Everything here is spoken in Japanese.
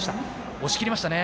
押し切りましたね。